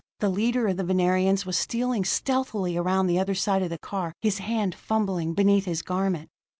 The leader of the Venerians was stealing stealthily around the other side of the car, his hand fumbling beneath his garment.